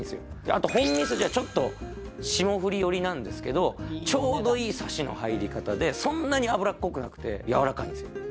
あとホンミスジはちょっと霜降り寄りなんですけどちょうどいいサシの入り方でそんなに脂っこくなくてやわらかいんですよ